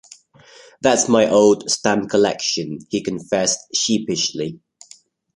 "That's my old stamp collection," he confessed sheepishly.